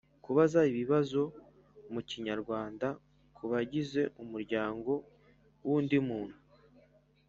kubaza ibibazo mu kinyarwanda ku bagize umuryango w‘undi muntu.